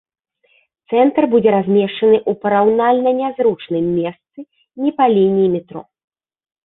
Цэнтр будзе размешчаны ў параўнальна нязручным месцы, не па лініі метро.